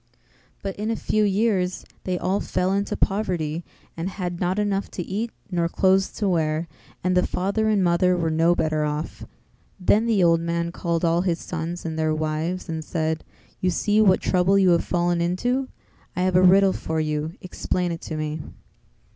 But in a few years they all fell into poverty and had not enough to eat nor clothes to wear, and the father and mother were no better off; then the old man called all his sons and their wives and said "You see what trouble you have fallen into; I have a riddle for you, explain it to me.